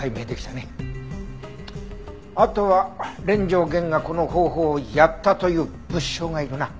あとは連城源がこの方法をやったという物証がいるな。